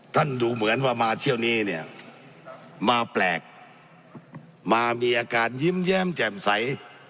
ดูเหมือนว่ามาเที่ยวนี้เนี่ยมาแปลกมามีอาการยิ้มแย้มแจ่มใส